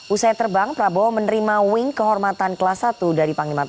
usai terbang prabowo menerima wing kehormatan kelas satu dari panglima tni